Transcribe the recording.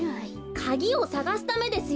カギをさがすためですよ。